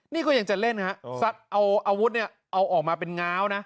นี่ก็ยังจะเล่นฮะซัดเอาอาวุธเนี่ยเอาออกมาเป็นง้าวนะ